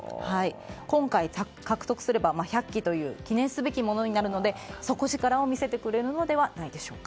今回獲得すれば１００期という記念すべきものですので底力を見せてくれるのではないでしょうか。